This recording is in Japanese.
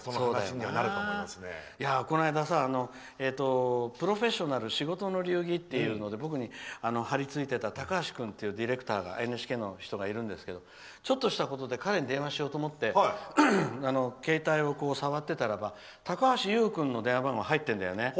この間「プロフェッショナル仕事の流儀」っていうので僕に張り付いてた高橋君っていうＮＨＫのディレクターがいるんですけどちょっとしたことで彼に電話しようと思って携帯を触ってたらば高橋優君の電話番号が入ってるんだよね。